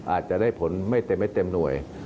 อาจจะได้ผลไม่เต็มหน่วย